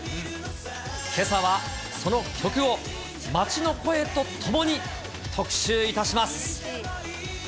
けさはその曲を街の声とともに特集いたします。